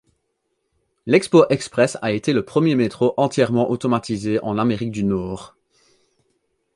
L'Expo Express a été le premier métro entièrement automatisé en Amérique du Nord.